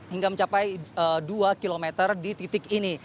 hingga mencapai dua km di titik ini